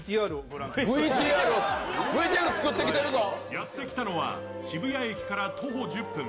やってきたのは渋谷駅から徒歩５分。